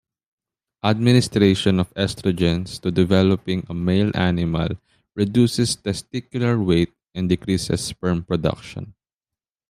Administration of estrogens to developing male animals reduces testicular weight and decreases sperm production.